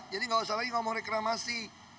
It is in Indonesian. jadi nggak usah lagi ngomong reklamasi